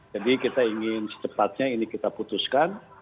jadi kita ingin secepatnya ini kita putuskan